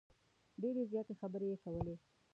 ډیرې زیاتې خبرې یې کولې.